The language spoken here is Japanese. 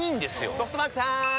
ソフトバンクさーん！